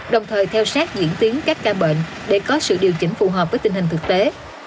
đồng thời theo sát diễn tiến các ca bệnh để có sự điều chỉnh phù hợp với tình hình thực tế